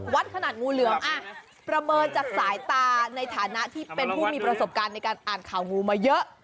ขนาดงูเหลือมประเมินจากสายตาในฐานะที่เป็นผู้มีประสบการณ์ในการอ่านข่าวงูมาเยอะ